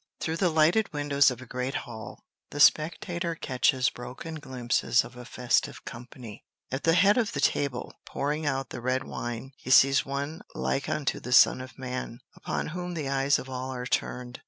Through the lighted windows of a great hall, the spectator catches broken glimpses of a festive company. At the head of the table, pouring out the red wine, he sees one like unto the Son of man, upon whom the eyes of all are turned.